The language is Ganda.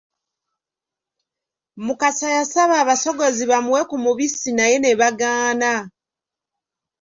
Mukasa yasaba abasogozi bamuwe ku mubisi naye ne bagaana.